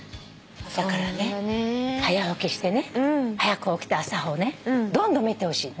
だからね早起きしてね『はやく起きた朝は』をねどんどん見てほしい。